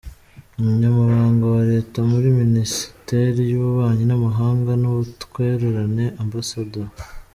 Umunyamabanga wa Leta muri Minisiteri y’ububanyi n’amahanga n’ubutwererane, Amb.